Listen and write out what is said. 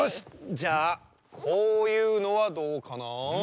じゃあこういうのはどうかなあ。